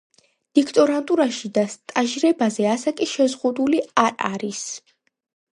დოქტორანტურაში და სტაჟირებაზე ასაკი შეზღუდული არ არის.